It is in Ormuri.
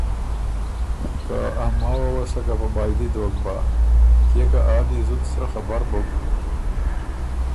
که ا ماوه وه سکه په بائدی دوک بَۀ کيې که آ دی زُت سرۀ خبر بُک